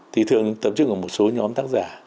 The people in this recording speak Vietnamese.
thì thường tập trung ở một số nhóm tác giả